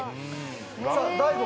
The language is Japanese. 大悟。